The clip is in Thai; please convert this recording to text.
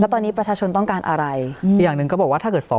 ตอนนี้ประชาชนต้องการอะไรอีกอย่างหนึ่งก็บอกว่าถ้าเกิดสอ